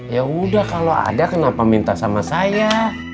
yaudah kalau ada kenapa minta sama saya